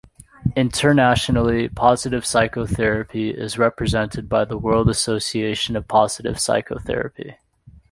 Internationally, Positive Psychotherapy is represented by the World Association of Positive Psychotherapy.